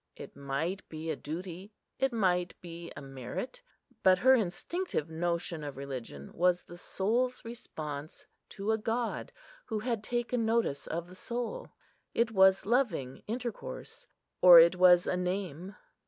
It might be a duty, it might be a merit; but her instinctive notion of religion was the soul's response to a God who had taken notice of the soul. It was loving intercourse, or it was a name.